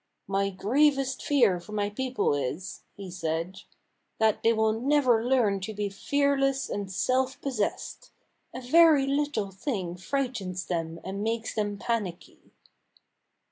" My gravest fear for my people is," he said, " that they will never learn to be fearless and self possessed. A very little thing frightens them and makes them panicky."